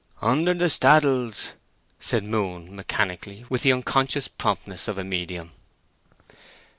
"Under the staddles," said Moon, mechanically, with the unconscious promptness of a medium.